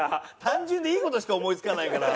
単純でいい事しか思い付かないから。